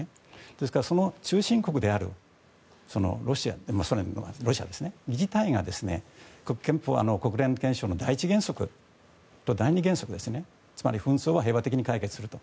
ですから、その中心国であるソ連ロシアですね、それ自体が国連憲章の第１原則と第２原則ですねつまり、紛争は平和的に解決すると。